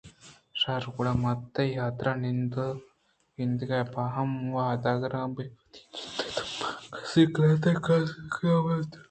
شر گڑا من تئی حاترا نند ءُگندے ءَ پہ وہد گراں بلئے وتی جند ءِ تب ءَ تو کس ءَ قلات ءَقاصد کرّاچ مہ کنئے